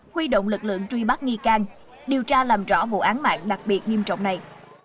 huy động lực lượng truy bắt nghi can điều tra làm rõ vụ án mạng đặc biệt nghiêm trọng này